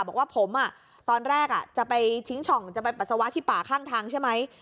บอกว่าผมตอนแรกจะไปทิ้งช่องจะไปปัสสาวะที่ป่าข้างทางใช่ไหม